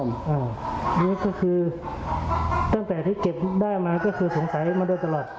อันนี้ก็คือตั้งแต่ที่เก็บได้มาก็คือสงสัยมาโดยตลอด